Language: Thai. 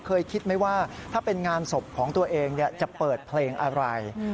เคยคิดไหมว่าถ้าเป็นงานศพของตัวเองจะเปิดเพลงอะไร